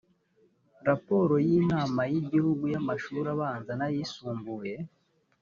raporo y’inama y’igihugu y’amashuri abanza n’ay’isumbuye